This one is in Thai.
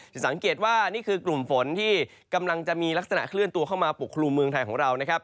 สังเกตว่านี่คือกลุ่มฝนที่กำลังจะมีลักษณะเคลื่อนตัวเข้ามาปกครุมเมืองไทยของเรานะครับ